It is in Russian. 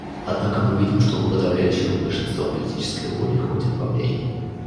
Однако мы видим, что у подавляющего большинства политической воли хоть отбавляй.